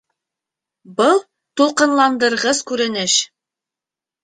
Был тулҡынландырғыс күренеш